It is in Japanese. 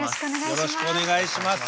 よろしくお願いします。